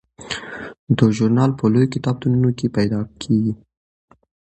دا ژورنال په لویو کتابتونونو کې پیدا کیږي.